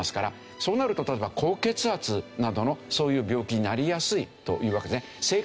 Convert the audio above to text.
そうなると例えば高血圧などのそういう病気になりやすいというわけですね。